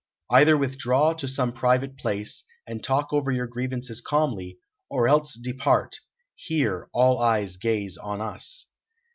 "Either withdraw to some private place, and talk over your grievances calmly, or else depart; here all eyes gaze on us."